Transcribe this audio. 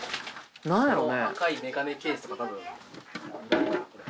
何やろね？